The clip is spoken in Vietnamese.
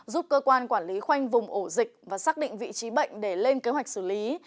giúp cơ quan quản lý khoanh vùng ổ dịch và xác định vị trí bệnh để lên kế hoạch xử lý